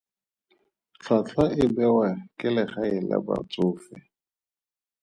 Tlhwatlhwa e bewa ke legae la batsofe.